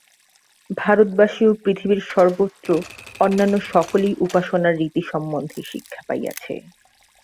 ভারতবাসী এবং পৃথিবীর সর্বত্র অন্যান্য সকলেই উপাসনার রীতি সম্বন্ধে শিক্ষা পাইয়াছে।